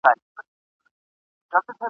تر څو به جهاني لیکې ویده قام ته نظمونه ..